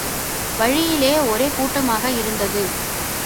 வழியிலே ஒரே கூட்டமாக இருந்தது.